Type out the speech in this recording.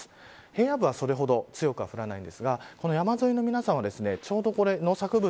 平野部は、それほど強くは降りませんが、山沿いの皆さんはちょうど農作物